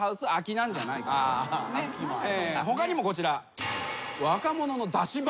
他にもこちら。